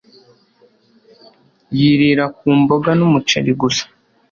Yirira ku mboga n'umuceri gusa.